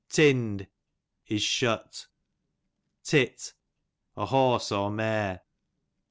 Tinn'd, is shut. Tit, a horse, or mare.